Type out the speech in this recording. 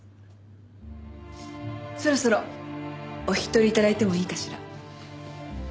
そろそろお引き取り頂いてもいいかしら？